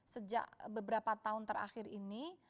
sejak beberapa tahun terakhir ini